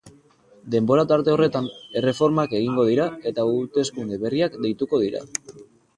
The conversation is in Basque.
Denbora tarte horretan, erreformak egingo dira eta hauteskunde berriak deituko dira.